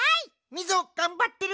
みぞがんばってる！